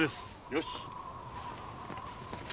よし。